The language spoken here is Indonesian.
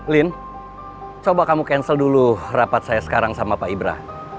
lin coba kamu cancel dulu rapat saya sekarang sama pak ibrah